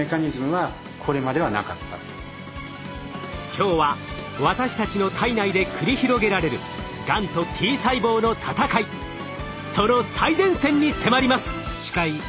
今日は私たちの体内で繰り広げられるがんとＴ細胞の闘いその最前線に迫ります。